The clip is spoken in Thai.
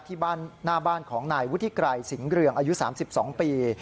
ที่บ้านหน้าบ้านของนายวุฒิไกรสิงห์เรืองอายุ๓๒ปี